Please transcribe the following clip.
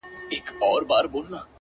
چي د مخ لمر يې تياره سي نيمه خوا سي،